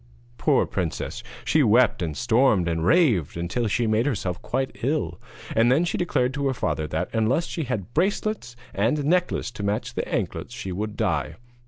Poor princess! she wept and stormed and raved until she made herself quite ill; and then she declared to her father that, unless she had bracelets and necklace to match the anklets she would die.